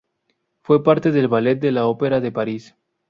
Fue parte del Ballet de la Ópera de París.